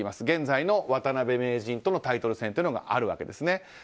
現在の渡辺名人とのタイトル戦があるわけです。